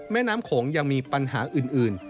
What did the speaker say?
แม่น้ำโขงยังมีปัญหาอื่น